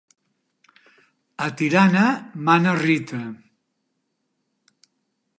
A Tirana mana Rita.